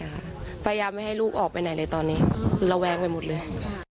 พยายามไม่ให้ลูกออกไปไหนเลยตอนนี้คือระแวงไปหมดเลย